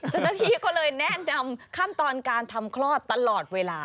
เจ้าหน้าที่ก็เลยแนะนำขั้นตอนการทำคลอดตลอดเวลา